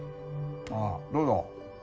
ああどうぞ。